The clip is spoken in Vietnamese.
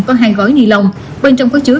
có hai gói ni lông bên trong có chứa